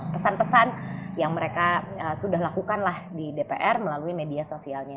pesan pesan yang mereka sudah lakukan lah di dpr melalui media sosialnya